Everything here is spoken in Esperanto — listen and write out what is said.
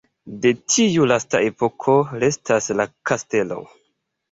De tiu lasta epoko restas la kastelo.